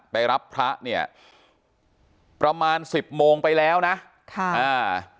ไปรับพระเนี่ยประมาณสิบโมงไปแล้วนะค่ะอ่า